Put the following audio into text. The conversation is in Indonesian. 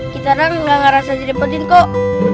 kita gak ngerasa direpotin kok